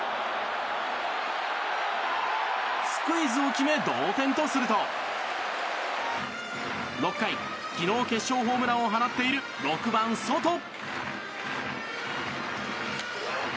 スクイズを決め、同点とすると６回、昨日決勝ホームランを放っている６番、ソト。